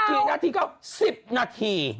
กี่นาทีก็๑๐นาที